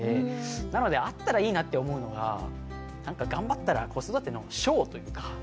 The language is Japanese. なのであったらいいなって思うのがなんか頑張ったら子育ての賞というか。